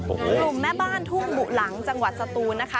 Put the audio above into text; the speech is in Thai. กลุ่มแม่บ้านทุ่งบุหลังจังหวัดสตูนนะคะ